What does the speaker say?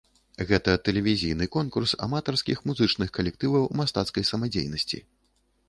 Гэта тэлевізійны конкурс аматарскіх музычных калектываў мастацкай самадзейнасці.